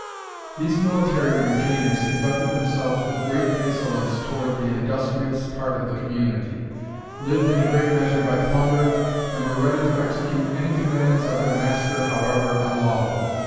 These military retainers conducted themselves with great insolence towards the industrious part of the community lived in a great measure by plunder, and were ready to execute any commands of their master, however unlawful.